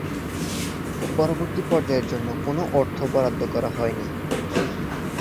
পরবর্তী পর্যায়ের জন্য কোন অর্থ বরাদ্দ করা হয়নি।